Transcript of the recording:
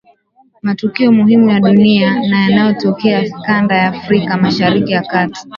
matukio muhimu ya dunia na yanayotokea kanda ya Afrika Mashariki na Kati